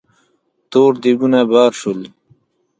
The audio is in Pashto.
تور دېګونه بار شول.